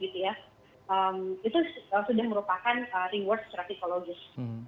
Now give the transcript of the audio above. itu sudah merupakan reward secara psikologis